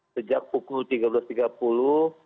sejak pukul tiga belas tiga puluh